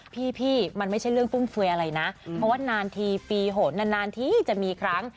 พี่มันไม่ใช่เรื่องฟุ่มเฟือยอะไรนะเพราะว่านานทีปีโหนนานทีจะมีครั้ง